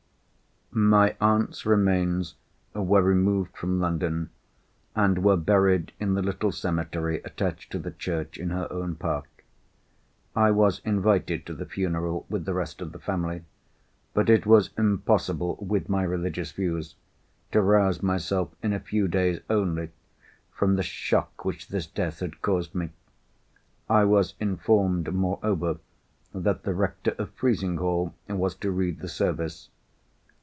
My aunt's remains were removed from London, and were buried in the little cemetery attached to the church in her own park. I was invited to the funeral with the rest of the family. But it was impossible (with my religious views) to rouse myself in a few days only from the shock which this death had caused me. I was informed, moreover, that the rector of Frizinghall was to read the service.